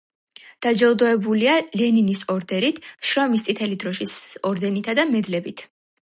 დაჯილდოებულია ლენინის ორდენით, შრომის წითელი დროშისა ორდენითა და მედლებით.